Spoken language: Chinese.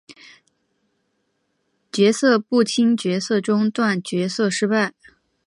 角色不清角色中断角色失败